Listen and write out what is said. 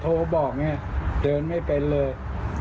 โทรบอกเนี่ยเดินไม่เป็นเลย